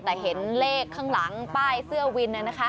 แต่เห็นเลขข้างหลังป้ายเสื้อวิน